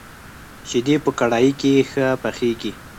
شيدې په کړايي کي ښه پخېږي.